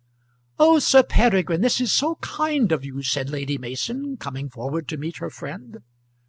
"Oh, Sir Peregrine, this is so kind of you," said Lady Mason, coming forward to meet her friend.